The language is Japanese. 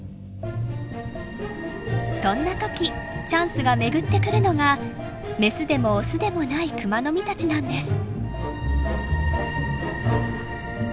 そんな時チャンスが巡ってくるのがメスでもオスでもないクマノミたちなんです。